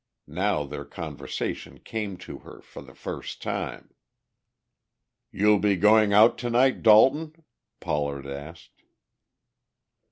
Now their conversation came to her for the first time. "You'll be going out tonight, Dalton?" Pollard asked.